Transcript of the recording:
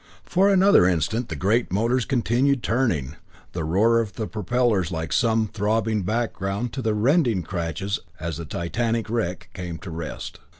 For another instant the great motors continued turning, the roar of the propellers like some throbbing background to the rending crashes as the titanic wreck came to rest.